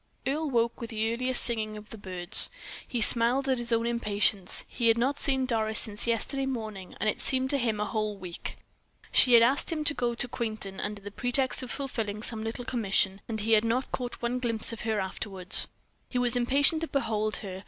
Earle woke with the earliest singing of the birds. He smiled at his own impatience. He had not seen Doris since yesterday morning, and it seemed to him a whole week. She had asked him to go to Quainton under the pretext of fulfilling some little commission, and he had not caught one glimpse of her afterward. He was impatient to behold her.